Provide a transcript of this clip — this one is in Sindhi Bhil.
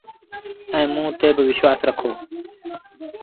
ايٚئيٚنٚ موٚنٚ تي با وشوآس رکو۔